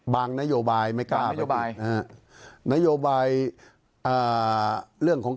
บางนโยบายไม่กล้าจบ้าง